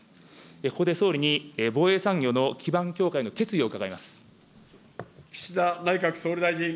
ここで総理に防衛産業の基盤強化の決意を伺います。